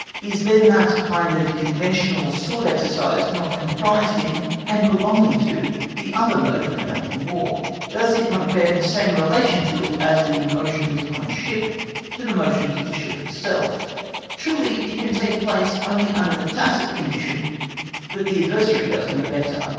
Is then that kind of conventional sword exercise not comprised in and belonging to the other mode of conducting War? Does it not bear the same relation to it as the motions upon a ship to the motion of the ship itself? Truly it can take place only under the tacit condition that the adversary does no better.